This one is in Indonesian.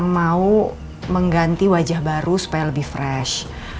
mau mengganti wajah baru supaya lebih fresh